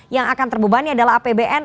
yang akan terbebani adalah apbn